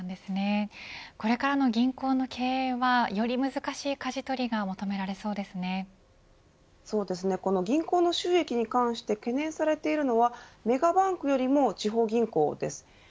これからの銀行の経営はより難しいかじ取りがこの銀行の収益に関して懸念されているのはメガバンクよりも地方銀行です。